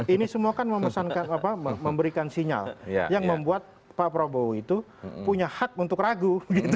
ini semua kan memberikan sinyal yang membuat pak prabowo itu punya hak untuk ragu